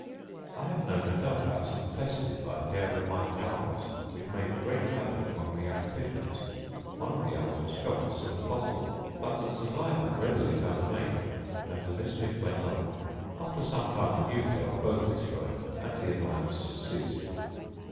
I have known a dove house infested by a pair of white owls, which made great havoc among the young pigeons: one of the owls was shot as soon as possible; but the survivor readily found a mate, and the mischief went on. After some time the new pair were both destroyed, and the annoyance ceased.